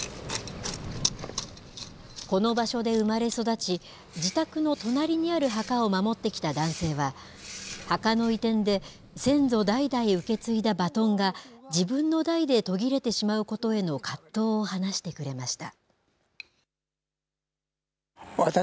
この場所で生まれ育ち、自宅の隣にある墓を守ってきた男性は、墓の移転で先祖代々受け継いだバトンが、自分の代で途切れてしまうことへの葛藤を話してくれました。